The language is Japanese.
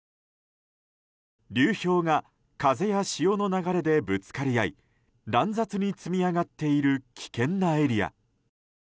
流氷が風や潮の流れでぶつかり合い乱雑に積み上がっている危険なエリア。